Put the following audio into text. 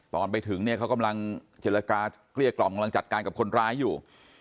ตอนไปถึงเนี่ยเขากำลังเจรจาเกลี้ยกล่อมกำลังจัดการกับคนร้ายอยู่